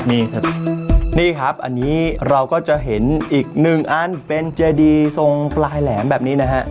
นี่ครับนี่ครับอันนี้เราก็จะเห็นอีกหนึ่งอันเป็นเจดีทรงปลายแหลมแบบนี้นะฮะ